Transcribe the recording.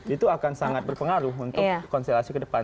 itu akan sangat berpengaruh untuk konstelasi kedepan